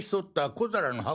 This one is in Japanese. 小皿の箱？